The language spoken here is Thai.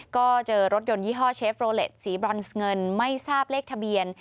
ก็เจอรถยนต์ยี่ห้อเชฟโรเล็ตสีบรอนเงินไม่ทราบเลขทะเบียน